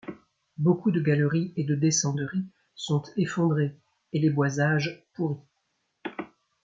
Beaucoup de galeries et de descenderies sont effondrées et les boisages pourris.